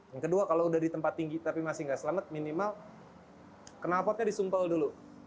yang kedua kalau sudah di tempat tinggi tapi masih tidak selamat minimal kenal potnya disumpel dulu